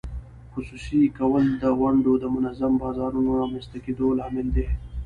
خصوصي کول د ونډو د منظم بازارونو رامینځته کېدو لامل دی.